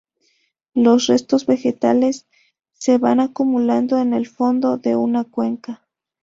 Los restos vegetales se van acumulando en el fondo de una cuenca.